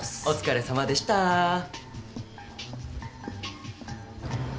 お疲れさまでしたー。